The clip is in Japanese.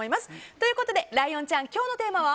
ということでライオンちゃん今日のテーマは？